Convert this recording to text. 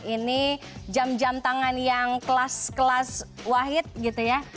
ini jam jam tangan yang kelas kelas wahid gitu ya